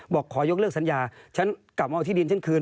บอกขอยกเลิกสัญญาฉันกลับมาเอาที่ดินฉันคืน